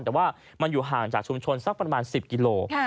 แต่ว่ามันอยู่ห่างจากชุมชนสักประมาณ๑๐กิโล